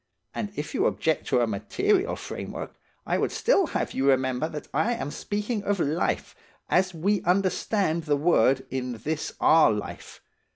And if you object to a material framework, I would still have you remember that I am speaking of life, as we understand the word in this our life.